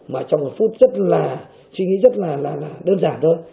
mà trong một phút suy nghĩ rất là đơn giản thôi